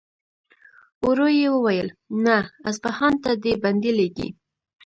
ورو يې وويل: نه! اصفهان ته دې بندې لېږي.